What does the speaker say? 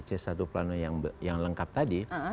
c satu plano yang lengkap tadi